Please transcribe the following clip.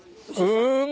うん。